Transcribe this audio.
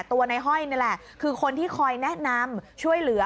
ตัวในห้อยนี่แหละคือคนที่คอยแนะนำช่วยเหลือ